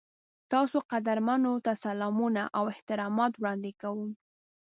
تاسو قدرمنو ته سلامونه او احترامات وړاندې کوم.